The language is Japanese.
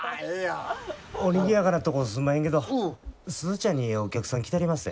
おにぎやかなとこすんまへんけど鈴ちゃんにお客さん来てはりまっせ。